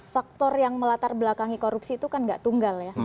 faktor yang melatar belakangi korupsi itu kan gak tunggal ya